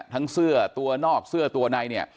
เสื้อตัวนอกเสื้อตัวในเนี่ย